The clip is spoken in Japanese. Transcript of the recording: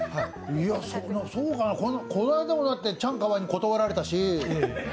そうかな、この間だってチャンカワイに断られたし。